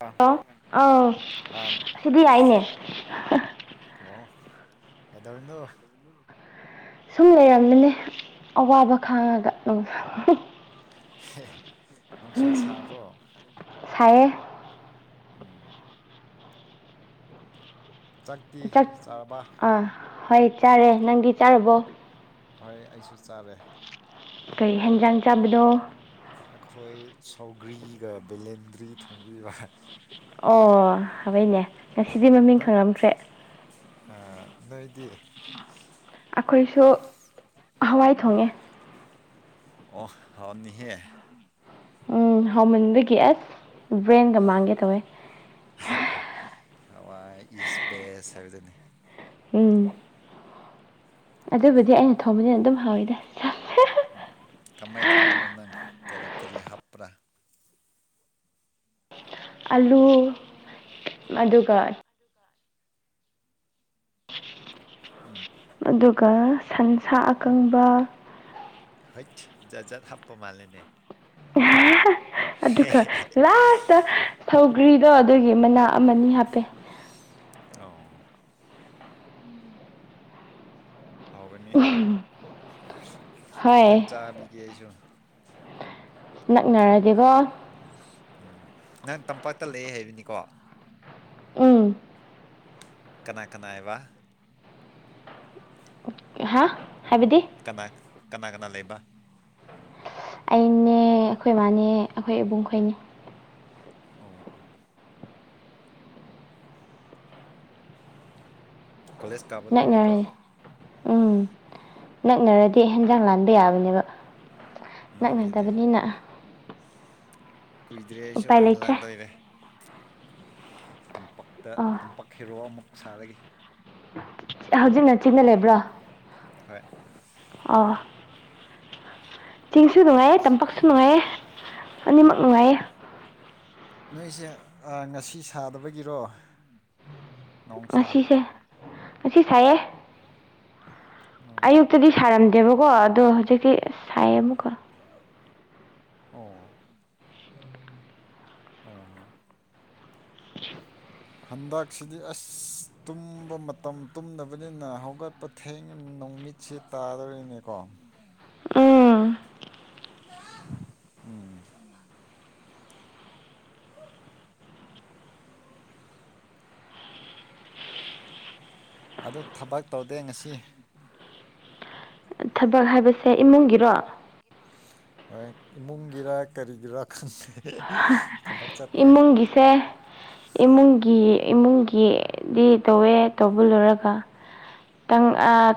ꯑꯣ ꯍꯜꯂꯣ ꯑꯥꯎ ꯁꯤꯗꯤ ꯌꯥꯏꯅꯦ ꯍꯜꯂꯣ ꯀꯩꯗꯧꯔꯤꯅꯣ ꯁꯨꯝ ꯂꯩꯔꯝꯃꯤꯅꯦ ꯑꯋꯥꯕ ꯈꯥꯡꯉꯒ ꯅꯨꯡꯁꯥ ꯁꯥꯕ꯭ꯔꯣ ꯁꯥꯏꯌꯦ ꯁꯥꯏꯌꯦ ꯎꯝ ꯆꯥꯛꯇꯤ ꯆꯥꯔꯕ [unintelligible] ꯑꯥ ꯍꯣꯏ ꯆꯥꯔꯦ ꯅꯪꯗꯤ ꯆꯥꯔꯕꯣ ꯍꯣꯏ ꯑꯩꯁꯨ ꯆꯥꯔꯦ ꯀꯩ ꯍꯦꯟꯖꯥꯡ ꯆꯥꯕꯅꯣ ꯑꯩꯈꯣꯏ ꯁꯧꯒ꯭ꯔꯤꯔ ꯕꯦꯂꯦꯟꯗ꯭ꯔꯤ ꯊꯣꯡꯕꯤꯕ ꯑꯣ ꯍꯥꯎꯋꯦꯅꯦ ꯉꯁꯤꯗꯤ ꯃꯃꯤꯡ ꯅꯣꯏ ꯈꯪꯂꯝꯈ꯭ꯔꯦ ꯑ ꯅꯣꯏꯗꯤ ꯑꯈꯣꯏꯁꯨ ꯍꯋꯥꯏ ꯊꯣꯡꯉꯦ ꯑꯣ ꯍꯥꯎꯅꯤꯍꯦ ꯎꯝ ꯍꯥꯎꯃꯟꯕꯒꯤ ꯑꯁ ꯕ꯭ꯔꯦꯟꯒ ꯃꯥꯡꯒꯦ ꯇꯧꯋꯦ ꯍꯋꯥꯏ ꯏꯁ ꯕꯦꯁ ꯍꯥꯏꯕꯗꯨꯅꯤ ꯎꯝ ꯑꯗꯨꯕꯨꯗꯤ ꯑꯩꯅ ꯊꯣꯡꯕꯖꯦ ꯑꯗꯨꯝ ꯍꯥꯎꯋꯤꯗ ꯀꯃꯥꯏꯅ ꯊꯣꯡꯕꯅꯣ ꯅꯦ ꯀꯔꯤ ꯀꯔꯤ ꯍꯥꯞꯄ꯭ꯔꯥ ꯑꯂꯨ ꯑꯗꯨꯒ ꯎꯝ ꯑꯗꯨꯒ ꯁꯟꯁꯥ ꯑꯀꯪꯕ ꯍꯩꯇ ꯖꯥꯠ ꯖꯥꯠ ꯍꯥꯞꯄ ꯃꯥꯜꯂꯦꯅꯦ ꯑꯗꯨꯒ ꯂꯥꯁꯇ ꯁꯧꯒ꯭ꯔꯤꯗꯣ ꯑꯗꯨꯒꯤ ꯃꯅꯥ ꯑꯃꯅꯤ ꯍꯥꯞꯄꯦ ꯑꯣ ꯍꯥꯎꯒꯅꯤ ꯈꯤꯇꯪ ꯍꯣꯏ ꯆꯥꯕꯤꯒꯦ ꯑꯩꯁꯨ ꯅꯛꯅꯔꯗꯤꯀꯣ ꯎꯝ ꯅꯪ ꯇꯝꯄꯥꯛꯇ ꯂꯩ ꯍꯥꯏꯕꯅꯤꯀꯣ ꯎꯝ ꯀꯅꯥ ꯀꯅꯥꯏꯕ ꯍꯥ ꯍꯥꯏꯕꯗꯤ ꯀꯅꯥ ꯀꯅꯥ ꯀꯅꯥ ꯂꯩꯕ ꯑꯩꯅꯦ ꯑꯩꯈꯣꯏ ꯏꯕꯥꯅꯦ ꯑꯩꯈꯣꯏ ꯏꯕꯨꯡ ꯈꯣꯏꯅꯦ ꯑꯣ ꯑꯣ ꯀꯣꯂꯦꯖ ꯀꯥꯕ ꯍ ꯂꯣꯏꯔꯦꯀꯣ ꯉꯔꯦ ꯎꯝ ꯅꯛꯅꯔꯗꯤ ꯍꯟꯖꯥꯡ ꯂꯥꯟꯕ ꯌꯥꯕꯅꯦꯕ ꯃꯥꯅꯤꯅꯦ ꯅꯛꯅꯗꯕꯅꯤꯅ ꯀꯨꯏꯗ꯭ꯔꯦ ꯑꯩꯁꯨ ꯎꯄꯥꯏ ꯂꯩꯇ꯭ꯔꯦ ꯍꯍꯜꯂꯛꯗꯣꯏꯔꯦ ꯇꯝꯄꯛꯇ ꯑꯣ ꯇꯝꯄꯛ ꯍꯦꯔꯣ ꯑꯃꯨꯛ ꯁꯥꯔꯒꯦ ꯍꯧꯖꯤꯛ ꯅꯆꯤꯟꯅ ꯂꯩꯕ꯭ꯔꯥ ꯍꯣꯏ ꯑ ꯆꯤꯡꯁꯨ ꯅꯨꯡꯉꯥꯏꯌꯦ ꯇꯝꯄꯥꯛꯁꯨ ꯅꯨꯡꯉꯥꯏꯌꯦ ꯑꯅꯤꯃꯛ ꯅꯨꯡꯉꯥꯏꯌꯦ ꯅꯣꯏꯁꯦ ꯉꯁꯤ ꯁꯥꯗꯕꯒꯤꯔꯣ ꯅꯣꯡꯁꯥ ꯉꯁꯤꯁꯦ ꯉꯁꯤ ꯁꯥꯏꯌꯦ ꯑꯣ ꯑꯌꯨꯛꯇꯗꯤ ꯁꯥꯔꯝꯗꯦꯕꯀꯣ ꯑꯗꯣ ꯍꯧꯖꯤꯛꯇꯤ ꯁꯥꯏꯌꯦ ꯑꯃꯨꯛꯀ ꯑꯣ ꯑꯣ ꯍꯟꯗꯛꯁꯤꯗꯤ ꯑꯁ ꯇꯨꯝꯕ ꯃꯇꯝ ꯇꯨꯝꯗꯕꯅꯤꯅ ꯍꯧꯒꯠ ꯄꯊꯦꯡ ꯅꯨꯣꯡꯃꯤꯠꯁꯦ ꯇꯥꯗꯣꯔꯤꯅꯦꯀꯣ ꯎꯝ ꯎꯝ [inaudible] ꯑ ꯊꯕꯛ ꯇꯧꯗꯦ ꯉꯁꯤ ꯊꯕꯛ ꯍꯥꯏꯕꯁꯦ ꯏꯃꯨꯡꯒꯤꯔꯣ ꯍꯣꯏ ꯏꯃꯨꯡꯒꯤꯔꯥ ꯀꯔꯤꯒꯤꯔꯥ ꯈꯪꯗꯦ ꯊꯕꯛ ꯆꯠꯇꯦ ꯏꯃꯨꯡꯒꯤꯁꯦ ꯏꯃꯨꯡꯒꯤ ꯏꯃꯨꯡꯒꯤꯗꯤ ꯇꯧꯋꯦ ꯇꯧꯕ ꯂꯣꯏꯨꯔꯒ ꯈꯤꯇꯪ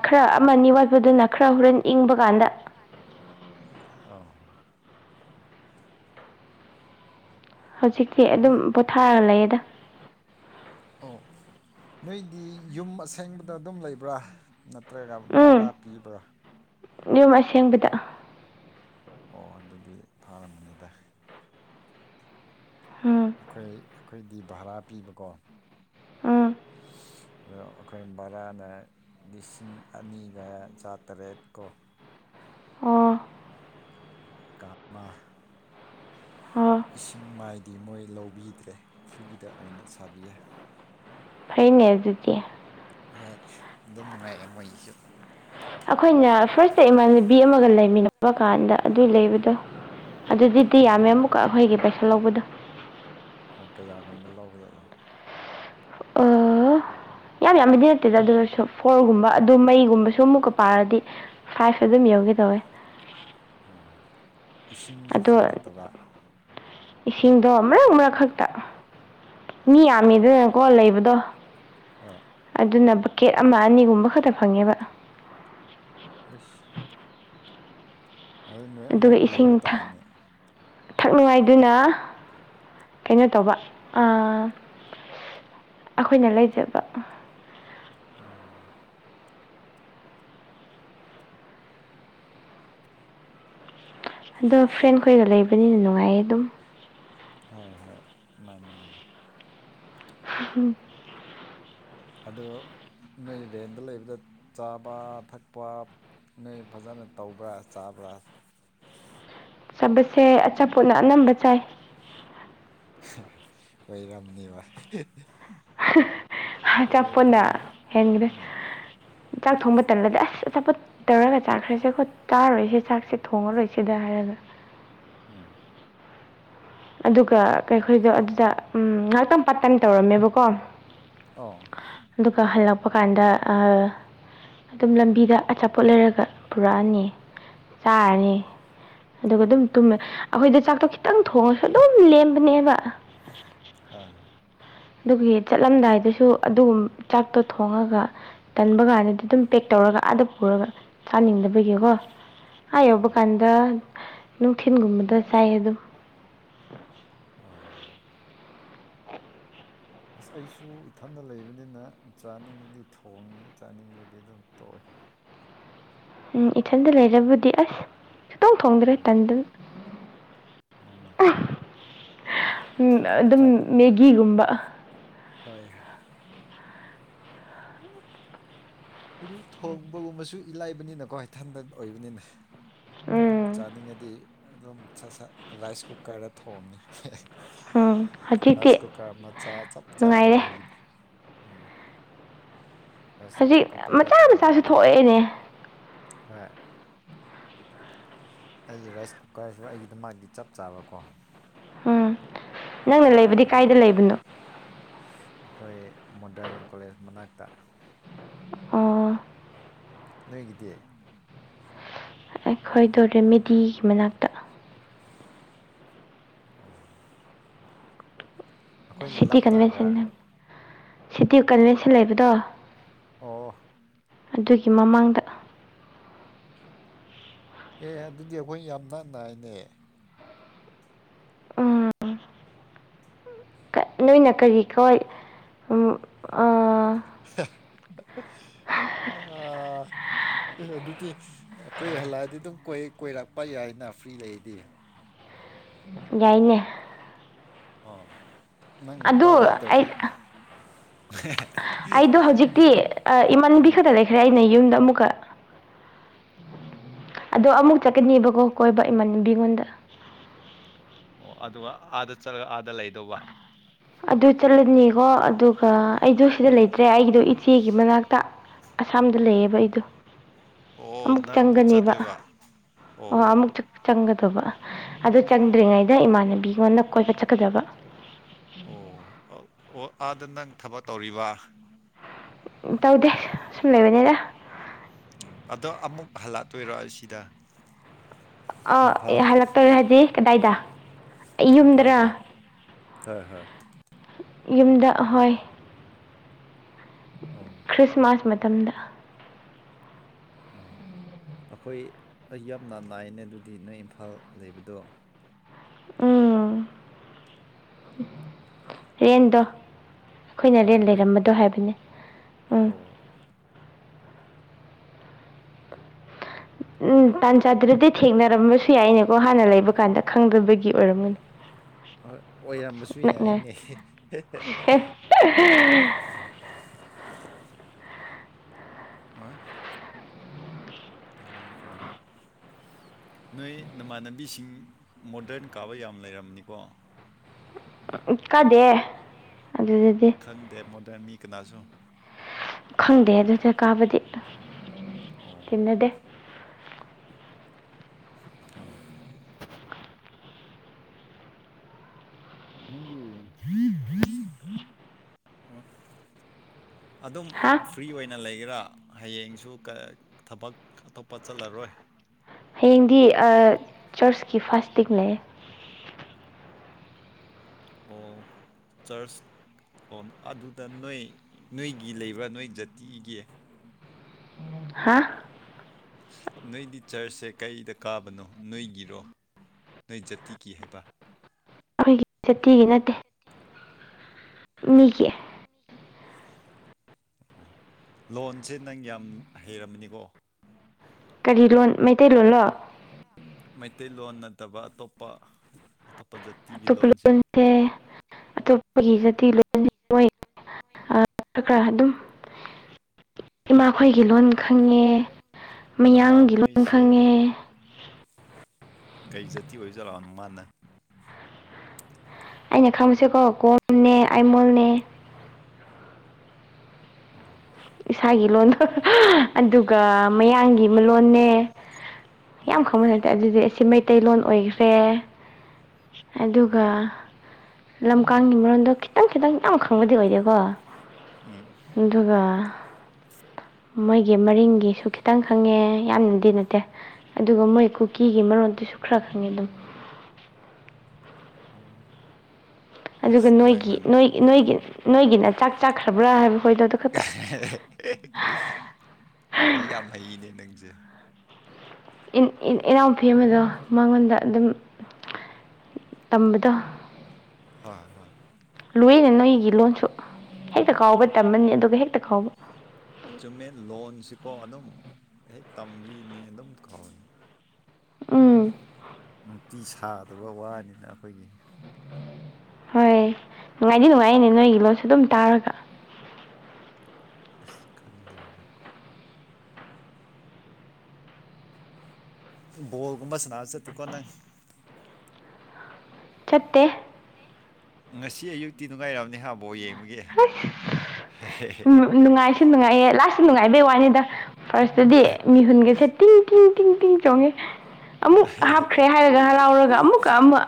ꯈꯔ ꯑꯃꯅꯤ ꯋꯥꯠꯄꯗꯨꯅ ꯈꯔ ꯍꯣꯔꯦꯟ ꯏꯪꯕ ꯀꯥꯟꯗ ꯀꯥꯟꯗ ꯑꯥ ꯍꯧꯖꯤꯛ ꯑꯗꯨ ꯑꯗꯨꯝ ꯄꯣꯊꯥꯔꯒ ꯂꯩꯗ ꯑꯣ ꯅꯣꯏꯗꯤ ꯌꯨꯝ ꯑꯁꯦꯡꯕꯗ ꯑꯗꯨꯝ ꯂꯩꯕ꯭ꯔꯥ ꯅꯠꯇ꯭ꯔꯒ ꯚꯔꯥ ꯄꯤꯕ꯭ꯔꯥ ꯌ ꯑꯁ ꯑꯣ ꯑꯗꯨꯗꯤ ꯐꯥꯔꯝꯕꯅꯤꯗ ꯎꯝ ꯑꯩꯈꯣꯏ ꯑꯩꯈꯣꯏꯗꯤ ꯚꯔꯥ ꯄꯤꯕꯀꯣ ꯎꯥ ꯑꯗꯣ ꯑꯩꯈꯣꯏ ꯕꯔꯥꯅ ꯂꯤꯁꯤꯡ ꯑꯅꯤꯒ ꯆꯥꯇꯔꯦꯠ ꯀꯣ ꯑꯣ ꯀꯥꯠ ꯃꯥ꯫ ꯑꯣ ꯏꯁꯤꯡ ꯃꯥꯏꯗꯤ ꯃꯣꯏ ꯂꯧꯕꯤꯗ꯭ꯔꯦ ꯐ꯭ꯔꯤꯗ ꯑꯣꯏꯅ ꯁꯥꯕꯤꯌꯦ꯫ ꯐꯩꯅꯦ ꯑꯗꯨꯗꯤ꯫ ꯑ ꯑꯗꯨꯝ ꯅꯨꯡꯉꯥꯏꯌꯦ ꯃꯣꯏꯒꯤꯁꯨ꯫ ꯑꯩꯈꯣꯏꯅ ꯐꯥꯔꯁꯇ ꯏꯃꯥꯟꯅꯕꯤ ꯑꯃꯒ ꯂꯩꯃꯤꯟꯅꯕ ꯀꯥꯟꯗ ꯑꯗꯨꯏ ꯂꯩꯕꯗꯣ꯫ ꯑꯗꯨꯗꯤ ꯍꯣꯏ ꯌꯥꯝꯃꯦ ꯑꯃꯨꯛꯀ ꯑꯩꯈꯣꯏꯒꯤ ꯄꯩꯁꯥ ꯂꯧꯕꯗꯣ꯫ ꯑꯣ ꯀꯌꯥꯒꯨꯝꯕ ꯂꯧꯕꯖꯥꯠꯂꯣ꯫ ꯌꯥꯝ ꯌꯥꯝꯕꯗꯤ ꯅꯠꯇꯦꯗ ꯑꯗꯨꯅꯁꯨ ꯐꯣꯔꯒꯨꯝꯕ ꯑꯗꯨ ꯃꯩꯒꯨꯝꯕꯁꯨ ꯑꯃꯨꯛꯀ ꯄꯥꯔꯗꯤ ꯐꯥꯏꯚ ꯑꯗꯨꯝ ꯌꯧꯒꯦ ꯇꯧꯋꯦ꯫ ꯑꯣ ꯏꯁꯤꯡꯁꯨ ꯑꯗꯣ ꯐ꯭ꯔꯤ ꯅꯠꯇꯕ꯫ ꯏꯁꯤꯡꯗꯣ ꯃꯔꯛ ꯃꯔꯛ ꯈꯛꯇ ꯃꯤ ꯌꯥꯝꯃꯤꯗꯅꯀꯣ ꯂꯩꯕꯗꯣ꯫ ꯍꯣꯏ ꯑꯗꯨꯅ ꯕꯛꯀꯦꯠ ꯑꯃ ꯑꯅꯤꯒꯨꯝꯕ ꯈꯛꯇ ꯐꯪꯉꯦꯕ꯫ ꯑꯦꯁ꯫ ꯅꯣꯏ ꯑꯗꯨꯒ ꯑꯃꯨꯛ ꯏꯁꯤꯡ ꯂꯩꯕ ꯊꯛ ꯇꯥꯏꯅꯦ ꯊꯛꯅꯤꯉꯥꯏꯗꯨꯅ꯫ ꯀꯩꯅꯣ ꯇꯧꯕ ꯑꯩꯈꯣꯏꯅ ꯂꯩꯖꯕ꯫ ꯑꯣ ꯍꯟꯗꯥꯛ ꯐ꯭ꯔꯦꯟꯈꯣꯏꯒ ꯂꯩꯕꯅꯤꯅ ꯅꯨꯡꯉꯥꯏꯌꯦ ꯑꯗꯨꯝ꯫ ꯍꯣꯏ ꯍꯣꯏ ꯃꯥꯅꯤ ꯃꯥꯅꯤ꯫ [unintelligible] ꯑꯗꯣ ꯅꯣꯏ ꯔꯦꯟꯗ ꯂꯩꯕꯗꯣ ꯆꯥꯕ ꯊꯛꯄ ꯅꯣꯏ ꯐꯖꯅ ꯇꯧꯕ꯭ꯔꯥ ꯆꯥꯕ꯭ꯔꯥ꯫ ꯆꯥꯕꯁꯦ ꯑꯆꯥꯄꯣꯠꯅ ꯑꯅꯝꯕ ꯆꯥꯏ꯫ ꯑꯣꯏꯔꯝꯅꯤꯕ꯫ ꯑꯆꯄꯣꯠꯅ ꯂꯩꯕ ꯍꯦꯟꯈ꯭ꯔꯦ꯫ ꯎꯝ ꯆꯥꯛ ꯊꯣꯡꯕ ꯃꯇꯝꯜꯂꯗꯗꯤ ꯑꯁ ꯑꯆꯥꯄꯣꯠ ꯇꯧꯔꯒ ꯆꯥꯛꯈ꯭ꯔꯁꯦ ꯑꯩꯈꯣꯏ ꯆꯥꯔꯔꯣꯏꯁꯦ ꯆꯥꯛꯁꯦ ꯊꯣꯡꯉꯔꯣꯏ ꯁꯤꯗ ꯍꯥꯏꯔꯒ꯫ ꯎꯝ꯫ ꯑꯗꯨꯒ ꯀꯩꯈꯣꯏꯗꯣ ꯑꯗꯨ ꯎꯝ ꯉꯥꯏꯍꯥꯛꯇꯪ ꯄꯥ ꯇꯥꯏꯝ ꯇꯧꯔꯝꯃꯦꯕꯀꯣ ꯑꯣ ꯑꯗꯨꯒ ꯍꯜꯂꯛꯄ ꯀꯥꯟꯗ ꯑꯗꯨꯝ ꯂꯝꯕꯤꯗ ꯑꯆꯥꯄꯣꯠ ꯂꯩꯔꯒ ꯄꯨꯔꯛꯑꯅꯤ꯫ ꯆꯥꯔꯅꯤ ꯑꯗꯨꯒ ꯍꯣꯏ ꯑꯗꯨꯝ ꯇꯨꯝꯃꯦ ꯑꯩꯈꯣꯏꯗꯣ ꯆꯥꯛꯇꯣ ꯈꯤꯇꯪ ꯊꯣꯡꯉꯁꯨ ꯑꯗꯨꯝ ꯂꯦꯝꯕꯅꯦꯕ꯫ ꯑ꯫ ꯑꯗꯨꯒꯤ ꯆꯠꯂꯝꯗꯥꯏꯗꯁꯨ ꯑꯗꯨꯒꯨꯝ ꯆꯥꯛꯇꯣ ꯊꯣꯡꯉꯒ ꯇꯟꯕ ꯀꯥꯟꯗꯗꯤ ꯑꯗꯨꯝ ꯄꯦꯛ ꯇꯧꯔꯒ ꯑꯥꯗ ꯄꯨꯔꯒ ꯆꯥꯅꯤꯡꯗꯕꯒꯤꯀꯣ꯫ ꯑꯥ ꯌꯧꯕ ꯎꯝ ꯀꯥꯟꯗ ꯅꯨꯡꯊꯤꯟꯒꯨꯝꯕꯗ ꯆꯥꯏ ꯑꯗꯨ꯫ ꯑꯣ꫰꫰ ꯑꯁ ꯑꯩꯁꯨ ꯏꯊꯟꯇ ꯂꯩꯕꯅꯤꯅ ꯆꯥꯅꯤꯡꯉꯤꯗꯤ ꯊꯣꯡꯉꯤ ꯆꯥꯅꯤꯡꯉꯤꯗꯤ ꯑꯗꯨꯝ ꯇꯣꯛꯏ꯫ ꯎꯝ ꯏꯊꯟꯗ ꯂꯩꯔꯕꯨꯗꯤ ꯑꯁ ꯁꯨꯡꯊꯣꯡ ꯊꯣꯡꯗ꯭ꯔꯦ ꯇꯟꯗꯅ꯫ ꯃꯥꯅꯦ꫰꫰ ꯑꯗꯨꯝ ꯃꯦꯒꯤꯒꯨꯝꯕ꯫ ꯍꯣꯏꯌꯦ꯫ ꯑꯗꯨ ꯊꯣꯡꯕꯒꯨꯝꯕꯁꯨ ꯏꯂꯥꯏꯕꯅꯤꯅꯀꯣ ꯏꯊꯟꯇ ꯑꯣꯏꯕꯅꯤꯅ꯫ ꯎꯝ ꯆꯥꯅꯤꯡꯉꯗꯤ ꯑꯗꯨꯝ ꯁꯠ ꯁꯠ ꯔꯥꯏꯁ ꯀꯨꯀꯔꯗ ꯊꯣꯡꯉꯦ꯫ ꯎꯝ ꯍꯧꯖꯤꯛꯇꯤ ꯔꯥꯏꯁ ꯀꯨꯀꯔ ꯃꯆꯥꯥ ꯆꯞ ꯆꯥꯕ ꯅꯨꯡꯉꯥꯏꯔꯦ ꯑꯩꯒꯤ ꯎꯝ꯫ ꯔꯥꯏꯁ ꯍꯧꯖꯤꯛ ꯀꯨꯀꯔꯗ ꯃꯆꯥ ꯃꯆꯥꯁꯨ ꯇꯧꯔꯝꯃꯅꯤ ꯊꯣꯛꯂꯑꯦꯅꯦ꯫ ꯍꯣꯏ꯫ ꯑꯩꯒꯤ ꯔꯥꯏꯁ ꯀꯨꯀꯔꯁꯨ ꯑꯩꯒꯤꯗꯃꯛꯗꯤ ꯆꯞ ꯆꯥꯕꯀꯣ꯫ ꯎꯝ ꯅꯪꯅ ꯃꯆꯥ ꯂꯩꯕꯗꯤ ꯀꯥꯏꯗ ꯑꯣꯏꯕꯅꯤꯅ ꯂꯩꯕꯅꯣ꯫ ꯑꯩꯈꯣꯏ ꯃꯣꯗꯔꯟ ꯀꯣꯂꯦꯖ ꯃꯅꯥꯛꯇ꯫ ꯑꯣ꯫ ꯅꯣꯏꯒꯤꯗꯤ ꯑꯩꯈꯣꯏꯗꯣ ꯔꯦꯃꯦꯗꯤꯒꯤ ꯃꯅꯥꯛꯇ ꯑꯣ ꯑꯩꯈꯣꯏ ꯂꯞ ꯁꯤꯇꯤ ꯅꯥꯕ꯭ꯔ ꯀꯟꯚꯦꯟꯁꯟ ꯁꯤꯇꯤ ꯀꯟꯚꯦꯟꯁꯟ ꯂꯩꯕꯗꯣ ꯑꯣ ꯑꯗꯨꯒꯤ ꯃꯃꯥꯡꯗ ꯑꯦ ꯑꯗꯨꯗꯤ ꯑꯩꯈꯣꯏ ꯌꯥꯝ ꯅꯥ ꯅꯥꯏꯅꯦ ꯎꯝ ꯀ- ꯅꯣꯏꯅ ꯀꯔꯤ ꯀꯣ ꯑ [unintelligible] ꯑꯦ ꯑꯗꯨꯗꯤ ꯑꯩꯈꯣꯏ ꯍꯜꯂꯛꯑꯗꯤ ꯑꯗꯨꯝ ꯀꯣꯏ ꯀꯣꯏꯔꯛꯄ ꯌꯥꯏꯅ ꯐ꯭ꯔꯤ ꯂꯩꯗꯤ ꯌꯥꯏꯅꯦ ꯑꯥ ꯅꯪ ꯅꯨꯄꯥ ꯑꯗꯨ ꯑꯩ ꯂꯩꯇ꯭ꯔꯗꯤ ꯍ [unintelligible] ꯑꯩꯗꯣ ꯍꯧꯖꯤꯛꯇꯤ ꯏꯃꯥꯟꯕꯤ ꯈꯛꯇ ꯂꯩꯈ꯭ꯔꯦ ꯑꯩꯅ ꯌꯨꯝꯗ ꯑꯃꯨꯛꯀ ꯑꯗꯣ ꯑꯃꯨꯛ ꯆꯠꯀꯅꯦꯕꯀꯣ ꯀꯣꯏꯕ ꯏꯃꯟꯕꯤꯉꯣꯟꯗ ꯑꯣ ꯑꯗꯨꯒ ꯑꯥꯗ ꯆꯠꯂꯒ ꯑꯥꯗ ꯂꯩꯗꯧꯕ ꯑꯗꯨ ꯆꯠꯂꯅꯤꯀꯣ ꯑꯗꯨꯒ ꯑꯩꯗꯣ ꯁꯤꯗ ꯂꯩꯇ꯭ꯔꯦ ꯑꯩꯒꯤꯗꯣ ꯏꯆꯦꯒꯤ ꯃꯅꯥꯛꯇ ꯑꯁꯥꯝꯗ ꯂꯩꯌꯦꯕ ꯑꯩꯗꯣ ꯑꯣ ꯅꯪ ꯑꯃꯨꯛ ꯆꯠꯗꯣꯏꯕ ꯑꯣ ꯑꯃꯨꯛ ꯆꯪ ꯆꯪꯒꯗꯧꯕ ꯑꯗꯨ ꯆꯪꯗ꯭ꯔꯤꯉꯩꯗ ꯏꯃꯥꯟꯅꯕꯤꯉꯣꯟꯅ ꯀꯣꯏꯕ ꯆꯠꯀꯗꯕ ꯆꯠꯀꯗꯕ ꯑꯣ ꯑꯣ ꯑꯥꯗ ꯅꯪ ꯊꯕꯛ ꯇꯧꯔꯤꯕ ꯇꯧꯗꯦ ꯁꯨꯝ ꯂꯩꯕꯅꯤꯗ ꯎꯝ ꯑꯗꯣ ꯑꯃꯨꯛ ꯍꯜꯂꯛꯇꯣꯏꯔꯣ ꯑꯁꯤꯗ ꯑ ꯏꯝꯐꯥꯜ ꯍꯜꯂꯛꯇꯣꯏꯔ ꯍꯥꯏꯗꯤ ꯀꯗꯥꯏꯗ ꯑꯩ ꯌꯨꯝꯗꯔꯣ ꯏꯝꯐꯥꯜꯗ ꯍꯣꯏ ꯍꯣꯏ ꯌꯨꯝꯗ ꯍꯣꯏ ꯑꯣ ꯈ꯭ꯔꯤꯁꯃꯥꯁ ꯃꯇꯝꯗ ꯑ ꯑꯩꯈꯣꯏ ꯑꯥ ꯌꯥꯝꯅ ꯅꯥꯏꯌꯦꯅꯦ ꯑꯗꯨꯗꯤ ꯅꯣꯏ ꯏꯝꯐꯥꯜ ꯂꯩꯕꯗꯣ ꯎꯝ ꯔꯦꯟꯗ ꯑꯩꯈꯣꯏꯅ ꯍꯣꯏ ꯔꯦꯟ ꯑꯩꯈꯣꯏ ꯂꯩꯔꯝꯕꯗꯣ ꯍꯥꯏꯕꯅꯦ ꯎꯝ ꯑꯣ ꯎꯝ ꯇꯥꯟ ꯆꯥꯗ꯭ꯔꯗꯤ ꯆꯥꯗ꯭ꯔꯗꯤ ꯊꯦꯡꯅꯔꯝꯕꯁꯨ ꯌꯥꯏꯅꯦꯀꯣ ꯊꯦꯡꯅꯔꯝꯕ ꯁꯨ ꯍꯥꯟꯅ ꯌꯥꯏꯅꯦ ꯂꯩꯕ ꯑꯃꯨꯛ ꯀꯥꯟꯗ ꯍꯥꯟꯅꯥ ꯂꯩꯕ ꯀꯗ ꯈꯪꯗꯕꯒꯤ ꯑꯣꯏꯔꯝꯒꯅꯤ ꯈꯪꯗꯕꯒꯤ ꯑꯣꯏꯔꯝ ꯑꯣꯏꯔꯝꯕꯁꯨ ꯅꯛꯅꯔꯦ ꯌꯥꯏꯌꯦꯅꯦ [inaudible] ꯍ ꯍ [inaudible] ꯑꯣꯏ [inaudible] ꯅꯣꯏ ꯅꯃꯥꯟꯅꯕꯤꯁꯤꯡ ꯃꯣꯗꯔꯟ ꯀꯥꯕ ꯌꯥꯝ ꯂꯩꯔꯝꯅꯤꯀꯣ ꯑꯥꯝ ꯀꯥꯗꯦ ꯀꯗꯦ ꯑꯗꯨꯗꯗꯤ ꯈꯪꯗꯦ ꯃꯣꯗꯔꯟ ꯃꯤ ꯀꯅꯥꯁꯨ ꯈꯪꯗꯦ ꯑꯗꯨꯗ ꯀꯥꯕꯗꯤ ꯑꯣ ꯊꯦꯡꯅꯗꯦ ꯑꯣ ꯅꯪꯒꯤ [unintelligible] ꯑꯣ ꯑꯗꯨꯝ ꯍꯥ ꯐ꯭ꯔꯤ ꯑꯣꯏꯅ ꯂꯩꯒꯦꯔꯥ ꯍꯌꯦꯡꯁꯨ ꯀꯥ ꯊꯕꯛ ꯑꯇꯣꯞꯄ ꯆꯠꯂꯔꯣꯏ ꯍꯌꯦꯡꯗꯤ ꯑꯥ ꯆꯔꯁꯀꯤ ꯐꯥꯁꯇ‌‌ꯤꯡ ꯂꯩ ꯑꯣ ꯆꯔꯁ ꯑꯣ ꯑꯗꯨꯗ ꯅꯣꯏ ꯅꯣꯏꯒꯤ ꯂꯩꯕ꯭ꯔꯥ ꯅꯣꯏ ꯖꯥꯇꯤꯒꯤ ꯍꯥ ꯅꯣꯏꯗꯤ ꯆꯔꯁꯁꯦ ꯀꯩꯗ ꯀꯥꯕꯅꯣ ꯅꯣꯏꯒꯤꯔꯣ ꯅꯣꯏ ꯖꯥꯇꯤꯒꯤ ꯍꯥꯏꯕ ꯑꯩꯈꯣꯏꯒꯤ ꯖꯥꯇꯤꯒꯤ ꯅꯠꯇꯦ ꯃꯤꯒꯤ꯫ ꯂꯣꯟꯁꯦ ꯅꯪ ꯌꯥꯝ ꯍꯩꯔꯝꯃꯅꯤꯀꯣ ꯀꯔꯤ ꯂꯣꯟ ꯃꯩꯇꯩꯂꯣꯟꯂ ꯃꯩꯇꯩꯂꯣꯟ ꯅꯠꯇꯕ ꯑꯇꯣꯞꯄ ꯑꯇꯣꯞꯄꯥ ꯗꯗ ꯑꯇꯣꯞꯄ ꯂꯣꯟꯁꯦ ꯑꯇꯣꯞꯄꯒꯤ ꯖꯇꯤꯒꯤ ꯂꯣꯟꯁꯦ ꯃꯣꯏ ꯑ ꯈꯔ ꯈꯔ ꯑꯗꯨꯝ ꯏꯃꯥꯈꯣꯏꯒꯤ ꯂꯣꯟ ꯈꯪꯉꯦ ꯃꯌꯥꯡꯒꯤ ꯂꯣꯟ ꯅꯃꯥꯈꯣꯏꯁꯦ ꯈꯪꯉꯦ꯫ ꯀꯩ ꯖꯇꯤ ꯑꯣꯏꯖꯠꯅꯣ ꯅꯥꯃꯥ ꯅ ꯑꯩꯅ ꯈꯪꯕꯁꯦꯀꯣ ꯀꯣꯝꯅꯦ ꯑꯩꯥꯏꯃꯣꯟꯅꯦ꯫ ꯑꯣ ꯏꯁꯥꯒꯤ ꯂꯣꯟꯒ ꯑꯗꯨꯒ ꯃꯌꯥꯡꯒꯤ ꯃꯥꯂꯣꯟꯅꯦ꯫ ꯌꯥꯝ ꯎꯝ ꯈꯪꯕ ꯁꯥꯏ ꯑꯗꯨꯗꯤ ꯑꯁꯤ ꯃꯩ ꯃꯩꯇꯩꯂꯣꯟ ꯑꯣꯏꯈ꯭ꯔꯦ ꯑꯗꯨꯒ ꯂꯝꯀꯥꯡꯒꯤ꯫ ꯃꯔꯣꯟꯗꯣ ꯈꯤꯇꯪ ꯈꯤꯇꯪ ꯌꯥꯝ ꯈꯪꯕꯗꯤ ꯑꯣꯏꯗꯦꯀꯣ ꯎꯝ ꯑꯗꯨꯒ ꯃꯣꯏꯒꯤ ꯃꯔꯤꯡꯒꯤꯁꯨ ꯈꯤꯇꯪ ꯈꯪꯉꯦ ꯌꯥꯝꯅꯗꯤ ꯅꯠꯇꯦ ꯑꯗꯨꯒ ꯃꯣꯏ ꯀ ꯀꯤꯒꯤ ꯃꯔꯣꯟꯗꯨꯁꯨ ꯈꯔ ꯈꯪꯉꯦ ꯑꯗꯨꯝ ꯑꯗꯨꯒ ꯏꯁ ꯅꯣꯏꯒꯤ ꯅꯪꯅ ꯅꯣꯏ ꯅꯣꯏꯒꯤ ꯅꯣꯏꯒꯤꯅ ꯆꯥꯛ ꯆꯥꯈ꯭ꯔꯕ꯭ꯔꯥ ꯍꯥꯏꯕ ꯈꯣꯏꯗꯣꯗ ꯈꯛꯇ ꯏ ꯌꯥꯝ ꯍꯩꯅꯦ ꯅꯪꯁꯦ꯫ ꯏꯅꯥꯎꯄꯤ ꯑꯃꯗꯣ ꯃꯉꯣꯟꯗ ꯑꯗꯨꯝ ꯇꯝꯕꯗꯣ ꯍꯣꯏ ꯍꯣꯏ ꯂꯣꯏꯅꯦ ꯅꯣꯏꯒꯤ ꯂꯣꯟꯁꯨ ꯍꯦꯛꯇ ꯀꯥꯎꯕ ꯇꯝꯃꯅꯤ ꯑꯗꯨꯒ ꯍꯦꯛꯇ ꯀꯥꯎꯕ ꯑꯆꯨꯝꯃꯦꯠ ꯂꯣꯟꯁꯤꯀꯣ ꯑꯗꯨꯝ ꯍꯦꯛ ꯇꯝꯕꯤꯅꯤ ꯑꯗꯨꯝ ꯀꯥꯎꯅꯤ꯫ ꯎꯝ ꯅꯨꯡꯇꯤ ꯁꯥꯗꯕ ꯋꯥꯅꯤꯅ ꯑꯩꯈꯣꯏꯒꯤ꯫ ꯍꯣꯏ ꯅꯨꯡꯉꯥꯏꯗꯤ ꯅꯨꯡꯉꯥꯏꯅꯦ ꯅꯣꯏꯒꯤ ꯂꯣꯟꯁꯨ ꯑꯗꯨꯝ ꯇꯥꯔꯒ ꯑꯁ ꯈꯪꯗ꯭ꯔꯤꯗ ꯕꯣꯜꯒꯨꯝꯕ ꯁꯅꯥꯁꯦꯠꯇ ꯀꯣꯅ ꯆꯠꯇꯦ꯫ ꯉꯁꯤ ꯑꯌꯨꯛꯇꯤ ꯅꯨꯡꯉꯥꯏꯔꯕꯅꯤ ꯍꯥꯏꯕꯣ ꯌꯦꯡꯕꯒꯦ꯫ ꯍꯁ ꯅꯨꯡꯉꯥꯏꯁꯨ ꯅꯨꯡꯉꯥꯏꯌꯦ ꯂꯥꯁꯁꯨ ꯅꯨꯡꯉꯥꯏꯕꯩ ꯋꯥꯅꯤꯗ ꯐꯥꯔꯁꯇꯗꯤ ꯃꯤꯍꯨꯟꯒꯁꯦ ꯇꯤꯡ ꯇꯤꯡ ꯇꯤꯡ ꯇꯤꯡ ꯆꯣꯡꯉꯦ ꯑꯃꯨꯛ ꯑꯍꯨꯝ ꯍꯥꯞꯈ꯭ꯔꯦ ꯆꯣꯡꯉꯦ ꯍꯥꯏꯔꯒ ꯍꯔꯥꯎꯔꯒ ꯑꯃꯨꯛꯀ ꯑꯃ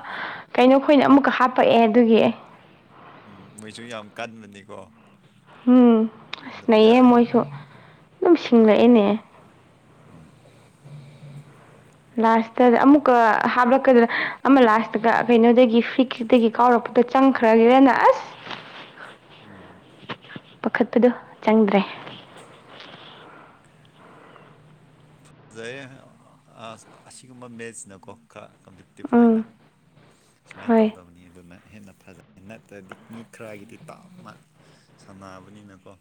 ꯀꯩꯅꯣ ꯑꯩꯈꯣꯏꯅ ꯑꯃꯨꯛꯀ ꯍꯥꯞꯄꯛꯑꯦ ꯑꯗꯨꯒꯤ ꯑꯩ ꯑꯗꯨꯒꯤ꯫ ꯎꯝ ꯃꯩꯁꯨ ꯌꯥꯝ ꯀꯟꯕꯅꯤꯀꯣ ꯎꯝ ꯑꯁ ꯑꯗꯨꯝ ꯅꯩꯌꯦ ꯌꯥꯏ ꯃꯣꯏꯁꯨ ꯑꯗꯨꯝ ꯍꯣꯏ ꯁꯤꯡꯂꯛꯑꯦꯅꯦ ꯎꯝ ꯂꯥꯁꯇ ꯑꯃꯨꯛꯀ ꯍꯥꯞꯂꯛꯀꯗ꯭ꯔꯥ ꯑꯃ ꯂꯥꯁꯇꯒ ꯀꯩꯅꯣꯗꯒꯤ ꯐ꯭ꯔꯤꯛꯁꯇꯒꯤ ꯀꯥꯎꯔꯛꯄ ꯀꯥꯎꯔꯛꯄꯗ ꯆꯪꯈ꯭ꯔꯒꯗꯅ ꯑꯁ ꯎꯝ ꯄꯥꯈꯠꯄꯗꯣ ꯆꯪꯗ꯭ꯔꯦ꯫ ꯐꯖꯔꯦ ꯑꯁꯤꯁꯤ ꯀ ꯃꯦꯆ ꯅꯅꯥꯀꯣꯥ ꯀꯄ ꯇꯤꯞ ꯑꯣꯏꯅ ꯎꯝ ꯁꯨꯃꯥꯏꯅ ꯍꯣꯏ ꯇꯧꯗꯕꯅꯤ ꯑꯗꯨꯅ ꯍꯦꯟꯅ ꯐꯖꯩ ꯅꯠꯇ꯭ꯔꯗꯤ ꯃꯤ ꯈꯔꯒꯤꯗꯤ ꯇꯥꯞꯅ ꯁꯥꯟꯅꯕꯅꯤꯅꯀꯣ